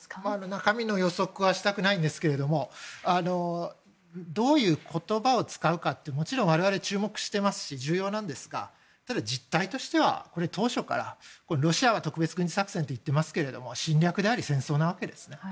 中身の予測はしたくないんですけれどもどういう言葉を使うか我々、注目していますし重要なんですが実態としては当初からロシアは特別軍事作戦と言ってますけども戦略であり戦争なわけですね。